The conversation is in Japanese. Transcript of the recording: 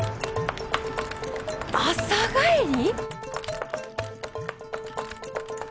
朝帰り？